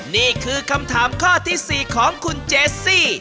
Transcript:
นี่คือคำถามข้อที่๔ของคุณเจซี่